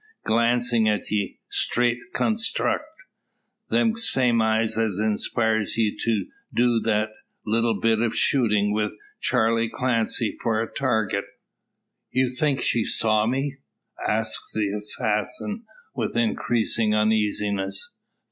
"Glancing at ye; strait custrut; them same eyes as inspired ye to do that little bit of shootin', wi' Charley Clancy for a target." "You think she saw me?" asks the assassin, with increasing uneasiness.